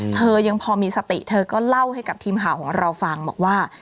เธอยังพอมีสติเธอก็เล่าให้กับทีมข่าวของเราฟังบอกว่า